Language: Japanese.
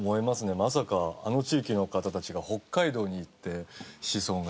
まさかあの地域の方たちが北海道に行って子孫がいらっしゃるって。